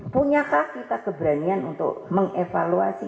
punyakah kita keberanian untuk mengevaluasi